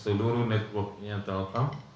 seluruh network nya telkom